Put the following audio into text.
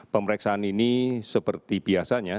pemeriksaan ini seperti biasanya